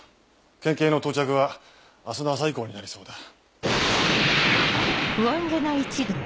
県警の到着は明日の朝以降になりそうだ。